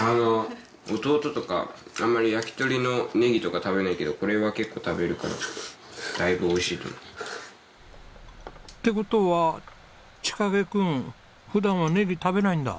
弟とかあんまり焼き鳥のネギとか食べないけどこれは結構食べるからだいぶおいしいと思う。って事は千景くん普段はネギ食べないんだ？